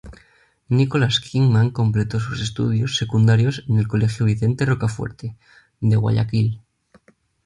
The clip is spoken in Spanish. Nicolás Kingman completó sus estudios secundarios en el colegio Vicente Rocafuerte, de Guayaquil.